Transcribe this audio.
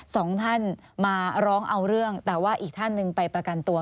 สองท่านมาร้องเอาเรื่องแต่ว่าอีกท่านหนึ่งไปประกันตัว